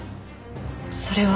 それは。